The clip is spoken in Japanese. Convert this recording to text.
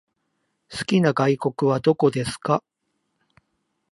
好きな外国はどこですか？